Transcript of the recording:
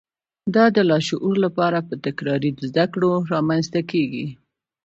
دا د لاشعور لپاره په تکراري زده کړو رامنځته کېږي